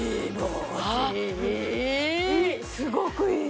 うんすごくいい。